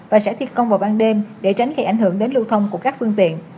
và sẽ thi công vào ban đêm để tránh gây ảnh hưởng đến lưu thông của các phương tiện